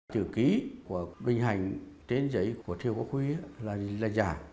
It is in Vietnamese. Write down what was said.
chữ ký của bình hành trên giấy của kiều quốc huy là giả